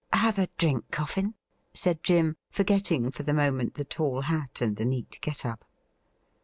' Have a drink. Coffin ?' said Jim, forgetting for the moment the tall hat and the neat get up.